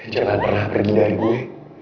jangan pernah pergi dari gue